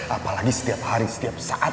apalagi setiap hari setiap saat